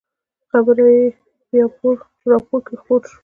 خبر یې په یوه راپور کې خپور شو.